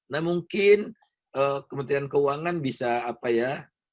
nah mungkin kementerian keuangan bisa apa ya